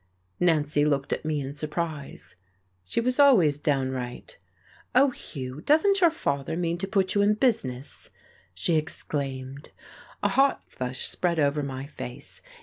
Nancy looked at me in surprise. She was always downright. "Oh, Hugh, doesn't your father mean to put you in business?" she exclaimed. A hot flush spread over my face.